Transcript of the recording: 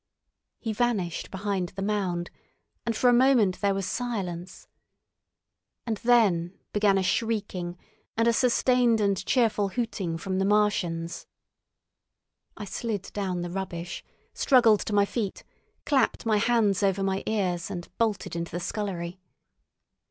He vanished behind the mound, and for a moment there was silence. And then began a shrieking and a sustained and cheerful hooting from the Martians. I slid down the rubbish, struggled to my feet, clapped my hands over my ears, and bolted into the scullery.